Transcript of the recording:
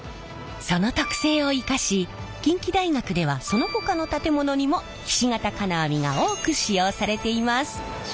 その特性を生かし近畿大学ではそのほかの建物にもひし形金網が多く使用されています。